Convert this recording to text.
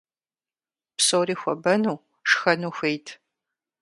Псори хуэбэну, шхэну хуейт.